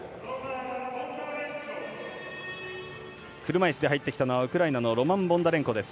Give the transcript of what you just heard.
車いすで入ってきたのはウクライナのロマン・ボンダレンコです。